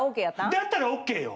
だったらＯＫよ。